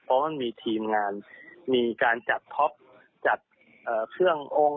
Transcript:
เพราะมันมีทีมงานมีการจัดท็อปจัดเครื่ององค์